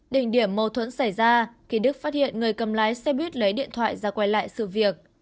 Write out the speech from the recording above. đỉnh điểm mâu thuẫn xảy ra khi đức phát hiện người cầm lái xe buýt lấy điện thoại ra quay lại sự việc